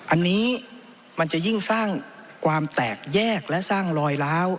อันนี้มันจะยิ่งสร้างความแตกแยกและสร้างรอยล้าว